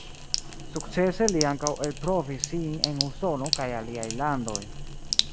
Sukcese li ankaŭ elprovis sin en Usono kaj aliaj landoj.